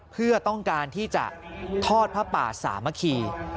เพื่อต้องการที่จะทอดผ้าป่าสามัคคี